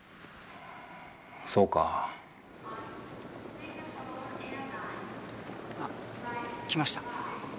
そうか。来ました。